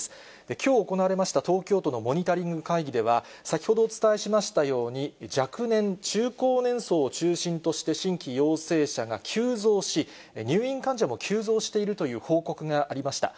きょう行われました東京都のモニタリング会議では、先ほどお伝えしましたように、若年・中高年層を中心として、新規陽性者が急増し、入院患者も急増しているという報告がありました。